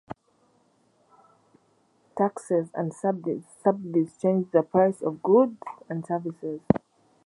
Taxes and subsidies change the price of goods and services.